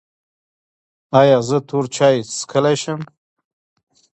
ایا زه تور چای څښلی شم؟